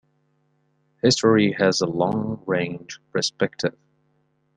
History has a long-range perspective.